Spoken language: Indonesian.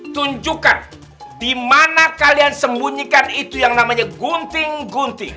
tunjukkan dimana kalian sembunyikan itu yang namanya gunting gunting